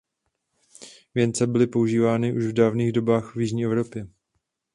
Věnce byly používány už v dávných dobách v jižní Evropě.